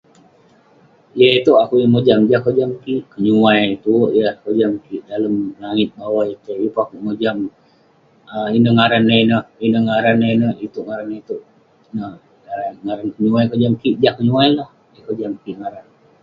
Yah itouk akouk yeng mojam. Jah kojam kik, kenyuai tue kojam kik dalem langit bawai itei. Yeng peh akouk mojam um ineh ngaran nah ineh, ineh ngaran nah ineh. Itouk ngaran nah itouk, itouk ngaran nah itouk. Ineh ngaran kenyuai kojam kik, jah kenyuai lah yah kojam kik ngaran.